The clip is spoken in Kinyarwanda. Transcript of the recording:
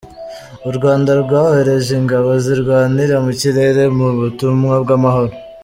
U Rwanda rwohereje ingabo zirwanira mu kirere mu butumwa bw’amahoro